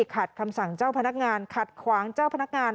ขัดคำสั่งเจ้าพนักงานขัดขวางเจ้าพนักงาน